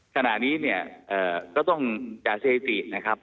ขณะนี้เนี่ยก็ต้องจากเศรษฐีนะครับ